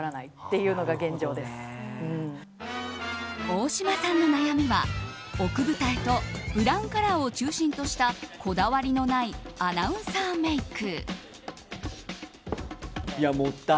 大島さんの悩みは奥二重とブラウンカラーを中心としたこだわりのないアナウンサーメイク。